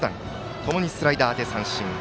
ともにスライダーで三振。